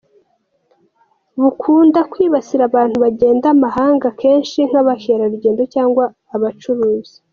Bukunda kwibasira abantu bagenda amahanga kenshi nk’abakerarugendo cyangwa abacuruzi.